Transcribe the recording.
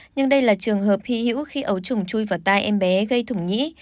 nhưng đây là trường hợp hy hữu khi ấu trùng chui vào tay em bé gây thủng nhĩ